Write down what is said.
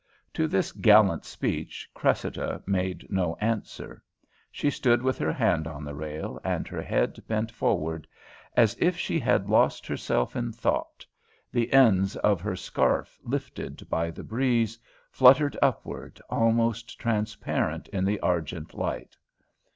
To this gallant speech Cressida made no answer. She stood with her hand on the rail and her head bent forward, as if she had lost herself in thought. The ends of her scarf, lifted by the breeze, fluttered upward, almost transparent in the argent light.